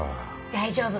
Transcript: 大丈夫。